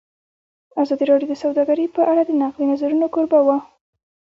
ازادي راډیو د سوداګري په اړه د نقدي نظرونو کوربه وه.